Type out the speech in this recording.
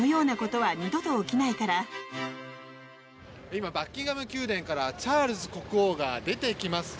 今、バッキンガム宮殿からチャールズ国王が出てきました。